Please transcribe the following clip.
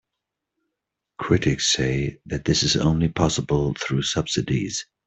Critics say that this is only possible through subsidies.